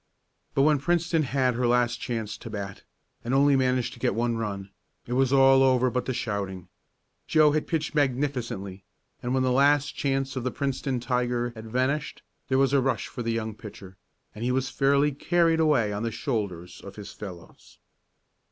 But when Princeton had her last chance to bat, and only managed to get one run, it was all over but the shouting. Joe had pitched magnificently, and when the last chance of the Princeton tiger had vanished there was a rush for the young pitcher, and he was fairly carried away on the shoulders of his fellows.